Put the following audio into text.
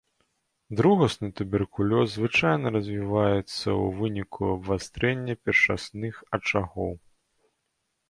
Другасны туберкулёз звычайна развіваецца ў выніку абвастрэння першасных ачагоў.